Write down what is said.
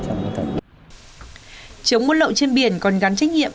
chống bút lậu trên biển còn gắn trách nhiệm